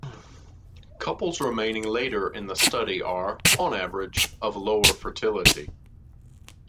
Couples remaining later in the study are, on average, of lower fertility.